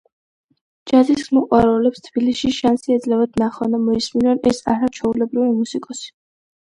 ჯაზის მოყვარულებს თბილისში შანსი ეძლევათ, ნახონ და მოისმინონ ეს არაჩვეულებრივი მუსიკოსი.